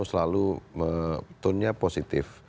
selalu tone nya positif